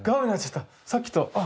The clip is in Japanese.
さっきとあ